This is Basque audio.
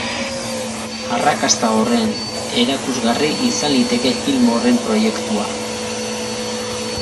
Arrakasta horren erakusgarri izan liteke film horren proiektua.